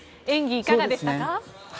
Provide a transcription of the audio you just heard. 演技、いかがでしたか？